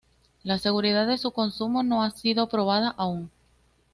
La seguridad de su consumo no ha sido probada aún.